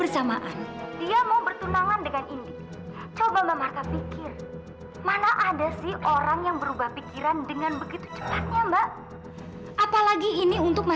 sampai jumpa di video selanjutnya